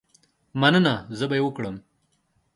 مننه، زه به یې وکړم.